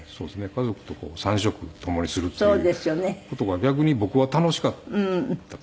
家族と三食共にするっていう事が逆に僕は楽しかったですけどね。